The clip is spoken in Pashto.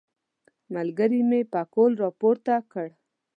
ملګري مې پکول راپورته کړ.